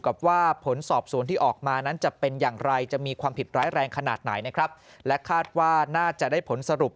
ว่าผลสอบสวนที่ออกมานั้นจะเป็นอย่างไรจะมีความผิดร้ายแรงขนาดไหนนะครับและคาดว่าน่าจะได้ผลสรุป